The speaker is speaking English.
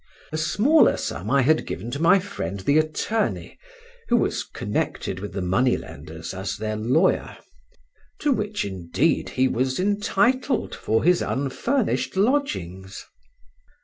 A smaller sum I had given to my friend the attorney (who was connected with the money lenders as their lawyer), to which, indeed, he was entitled for his unfurnished lodgings.